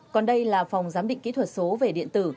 còn đây là phòng giám định kỹ thuật số về điện tử